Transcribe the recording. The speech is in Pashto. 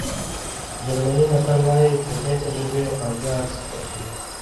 جرمني متل وایي ترخې تجربې خواږه ارزښت ورکوي.